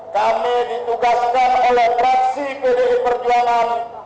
kami ditugaskan oleh praksi bdi perjuangan